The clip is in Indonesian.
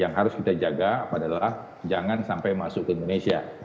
yang harus kita jaga adalah jangan sampai masuk ke indonesia